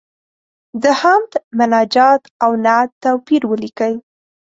د حمد، مناجات او نعت توپیر ولیکئ.